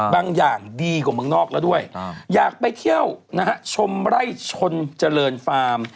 อย่างดีกว่าเมืองนอกแล้วด้วยอยากไปเที่ยวนะฮะชมไร่ชนเจริญฟาร์ม